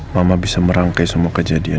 mama bisa merangkai semua kejadian